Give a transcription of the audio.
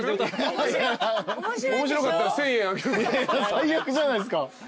最悪じゃないですか。